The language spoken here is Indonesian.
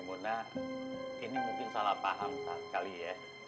bersama pak haji